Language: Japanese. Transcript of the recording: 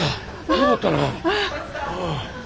よかったな。